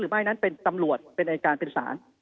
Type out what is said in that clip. เพราะฉะนั้นเป็นจำลวดเป็นรายการเป็นสาร